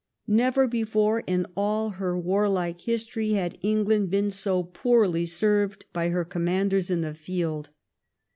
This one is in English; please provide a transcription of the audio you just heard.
Never be fore in all her warlike history had England been so poorly served by her commanders in the field.